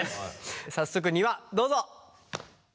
早速２話どうぞ！